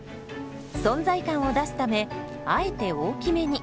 存在感を出すためあえて大きめに。